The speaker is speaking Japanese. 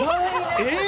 えっ！